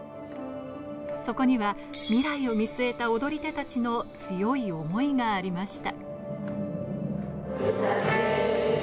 そこには未来を見据えた踊り手たちの強い思いがありました。